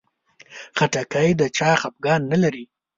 خټکی د چا خفګان نه لري.